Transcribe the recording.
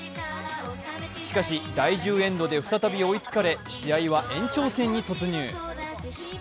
しかし第１０エンドで再び追いつかれ試合は延長戦に突入。